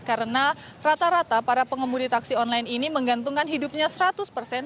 karena rata rata para pengemudi taksi online ini menggantungkan hidupnya seratus persen